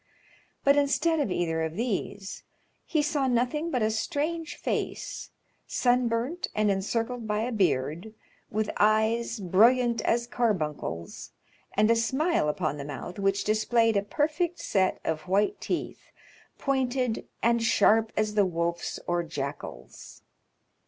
But instead of either of these, he saw nothing but a strange face, sunburnt, and encircled by a beard, with eyes brilliant as carbuncles, and a smile upon the mouth which displayed a perfect set of white teeth, pointed and sharp as the wolf's or jackal's.